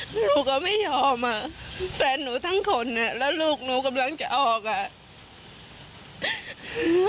หนูก็ไม่ยอมอ่ะแฟนหนูทั้งคนอ่ะแล้วลูกหนูกำลังจะออกอ่ะ